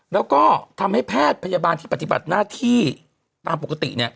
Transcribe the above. แล้วก็ทำให้แพทย์พยาบาลที่ปฏิบัติหน้าที่ตามปกติ